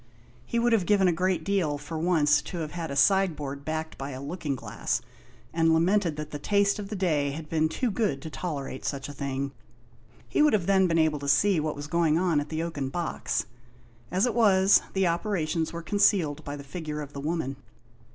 He would have given a great deal, for once, to have had a sideboard backed by a looking glass, and lamented that the taste of the day had been too good to tolerate such a thing. He would have then been able to see what was going on at the oaken box. As it was, the operations were concealed by the figure of the woman.